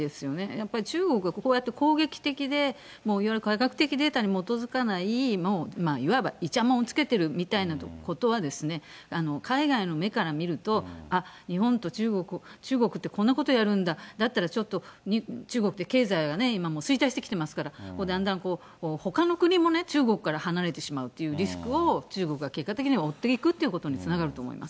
やっぱり中国ってこうやって攻撃的で、いわゆる科学的データに基づかない、いわばいちゃもんをつけてるみたいなことは、海外の目から見ると、あっ、日本と中国、こんなことやるんだ、だったらちょっと、中国って経済がね、今、もう衰退してきてますから、だんだんほかの国もね、中国から離れてしまうというリスクを、中国が結果的に負っていくということにつながると思います。